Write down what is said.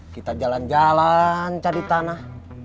kita jalan jalan cari tanah